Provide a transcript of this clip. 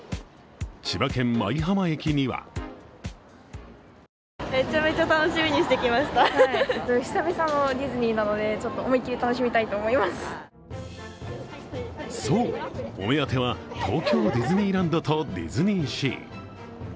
千葉県・舞浜駅にはそう、お目当ては東京ディズニーランドとディズニーシー。